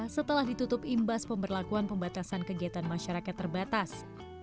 setelah ditutup imbas pemberlakuan pembatasan kegiatan masyarakat terbatas